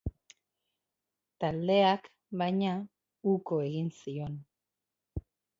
Taldeak, baina, uko egin zion.